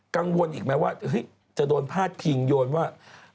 กังวลอีกไหมว่าจะโดนพาดพิงโยนว่า